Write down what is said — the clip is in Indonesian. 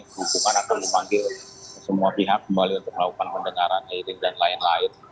dukungan akan memanggil semua pihak kembali untuk melakukan pendengaran hearing dan lain lain